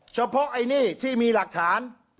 เฉพาะไอ้นี่ที่มีหลักฐาน